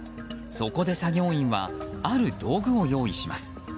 そこで、作業員はある道具を用意します。